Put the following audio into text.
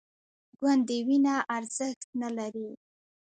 ګوندې وینه ارزښت نه لري